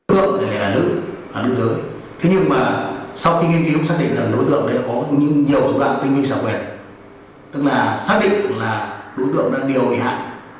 sau khi nghiên cứu xác định là đối tượng có nhiều tổng đoàn tinh minh sản quyền tức là xác định là đối tượng đã điều bị hại